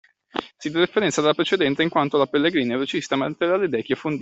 Si differenzia dalla precedente in quanto la Pellegrini è velocista mentre la Ledecky è fondista.